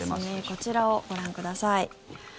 こちらをご覧ください。